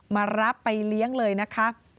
มารับไปเลี้ยงเลยนะคะ